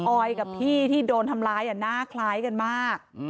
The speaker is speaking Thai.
ออยกับพี่ที่โดนทำร้ายหน้าคล้ายกันมาก